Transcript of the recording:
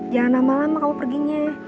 jangan lama lama kamu perginya